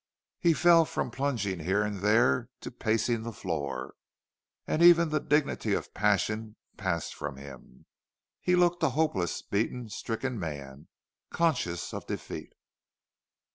He fell from plunging here and there to pacing the floor. And even the dignity of passion passed from him. He looked a hopeless, beaten, stricken man, conscious of defeat.